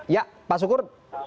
ya pak syukur